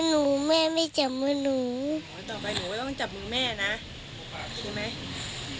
หนูต่อไปหนูก็ต้องจับมือแม่นะ